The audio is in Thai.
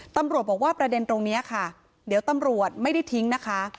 ตำรวจบอกว่าประเด็นตรงนี้ค่ะเดี๋ยวตำรวจไม่ได้ทิ้งนะคะ